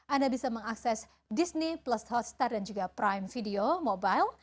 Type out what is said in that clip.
anda bisa mengakses disney plus hotstar dan juga prime video mobile